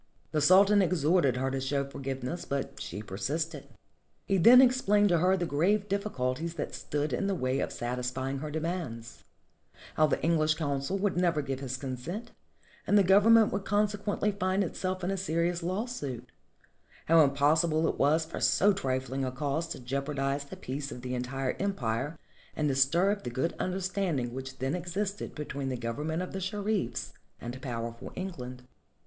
The Sultan exhorted her to show forgiveness, but she persisted. He then explained to her the grave difl5 culties that stood in the way of satisfying her demands; — how the English consul would never give his consent, and the Government would consequently find itself in volved in a serious lawsuit; how impossible it was for so trifling a cause to jeopardize the peace of the entire empire and disturb the good understanding which then existed between the Government of the Sherifs and powerful England.